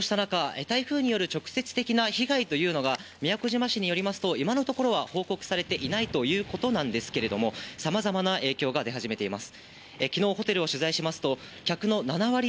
台風の直接的な被害が宮古島市によりますと、今のところ報告されていないということなんですけれども、さまざまな影響が出始めています。